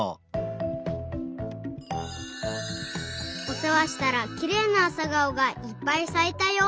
おせわしたらきれいなあさがおがいっぱいさいたよ。